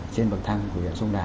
trên bậc thang hồ thủy điện sông đà